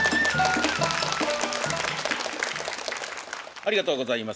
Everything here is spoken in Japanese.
ありがとうございます。